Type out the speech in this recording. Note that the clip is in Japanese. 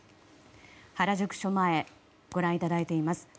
原宿署前ご覧いただいています。